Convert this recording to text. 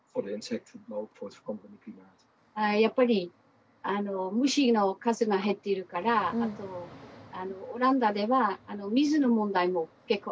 やっぱり虫の数が減っているからあとオランダでは水の問題も結構ありますね。